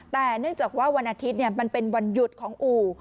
แต่เนื่องจากว่าวันอาทิตย์มันเป็นวันหยุดของอู่